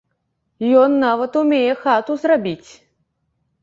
Ён нават умее хату зрабіць.